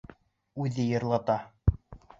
Үҙе йырлата